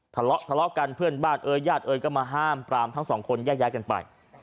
ทะเลาะกันเพื่อนบ้านเอยญาติเอยก็มาห้ามปรามทั้ง๒คนแยกกันไป